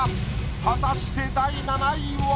果たして第７位は？